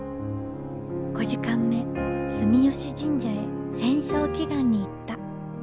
５時間目住吉神社へ戦勝祈願に行った。